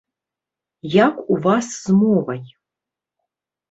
Як у вас з мовай?